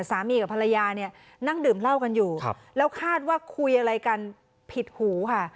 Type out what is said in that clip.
สามีกับภรรยาเนี่ยนั่งดื่มเหล้ากันอยู่แล้วคาดว่าคุยอะไรกันผิดหูค่ะ